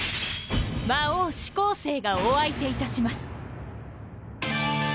魔王四煌星がお相手いたします。